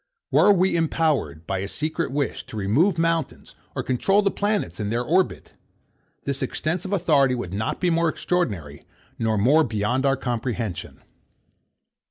Were we empowered, by a secret wish, to remove mountains, or control the planets in their orbit; this extensive authority would not be more extraordinary, nor more beyond our comprehension.